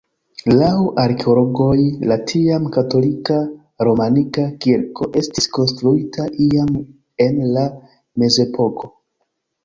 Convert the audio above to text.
Laŭ arkeologoj la tiam katolika romanika kirko estis konstruita iam en la mezepoko.